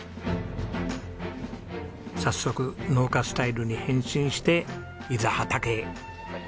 早速農家スタイルに変身していざ畑へ。